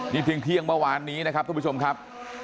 นี่เพียงเที่ยงเมื่อวานนี้นะครับทุกผู้ชมครับ